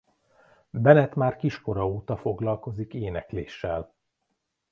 Bennett már kiskora óta foglalkozik énekléssel.